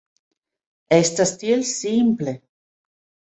Estas tiel simple!